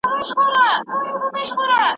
لویدیځوالو صنعت ته وده ورکړه.